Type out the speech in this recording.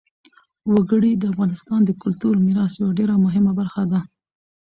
وګړي د افغانستان د کلتوري میراث یوه ډېره مهمه برخه ده.